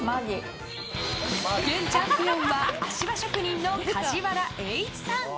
現チャンピオンは足場職人の梶原瑛一さん。